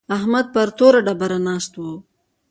احمد پر توره ډبره ناست و.